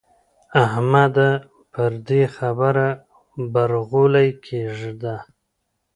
احمده پر دې خبره برغولی کېږده.